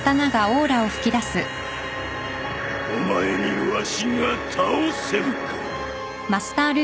お前にわしが倒せるか。